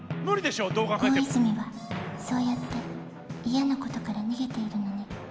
大泉はそうやっていやなことから逃げているのね。